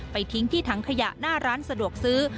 ทิ้งที่ถังขยะหน้าร้านสะดวกซื้อ